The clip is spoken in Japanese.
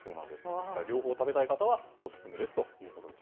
ですから両方食べたい方はオススメですということでした。